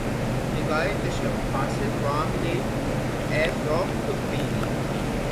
نگاۂ چشم حاسد وام لے اے ذوق خود بینی